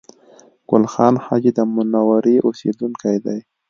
ګل خان حاجي د منورې اوسېدونکی دی